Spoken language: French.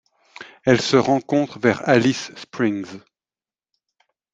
Elle se rencontre vers Alice Springs.